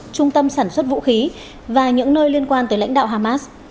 trung tâm sản xuất vũ khí và những nơi liên quan tới lãnh đạo hamas